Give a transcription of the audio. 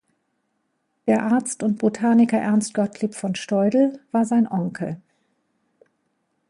Der Arzt und Botaniker Ernst Gottlieb von Steudel war sein Onkel.